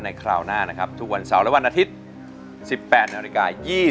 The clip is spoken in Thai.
ในคราวหน้านะครับทุกวันเสาระวันอาทิตย์